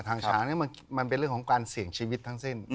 ช้างมันเป็นเรื่องของการเสี่ยงชีวิตทั้งสิ้น